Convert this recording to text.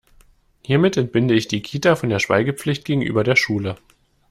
Hiermit entbinde ich die Kita von der Schweigepflicht gegenüber der Schule.